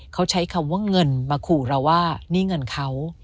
เขาใช้คำว่าเงินมาขู่เราว่านี่เงินเขา